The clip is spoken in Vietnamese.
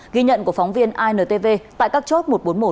ghi nhận của phóng viên intv tại các chốt một trăm bốn mươi một